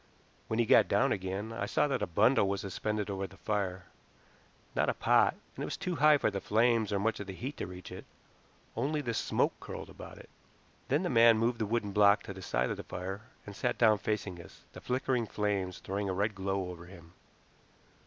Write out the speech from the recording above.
When he got down again I saw that a bundle was suspended over the fire, not a pot, and it was too high for the flames or much of the heat to reach it, only the smoke curled about it. Then the man moved the wooden block to the side of the fire and sat down facing us, the flickering flames throwing a red glow over him.